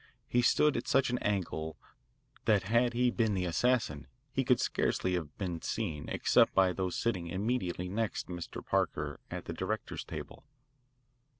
He stood at such an angle that had he been the assassin he could scarcely have been seen except by those sitting immediately next Mr. Parker at the directors' table.